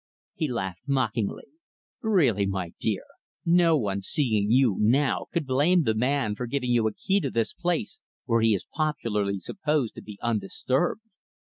He laughed mockingly. "Really, my dear, no one, seeing you, now, could blame the man for giving you a key to this place where he is popularly supposed to be undisturbed.